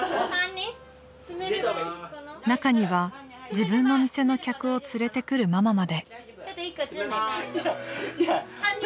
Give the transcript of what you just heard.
［中には自分の店の客を連れてくるママまで］